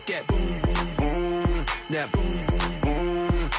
จำมุมมมั้ยไหนเนี่ย